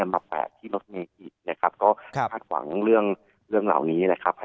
มาแปดที่รถเมย์อีกก็หาดหวังเรื่องเหล่านี้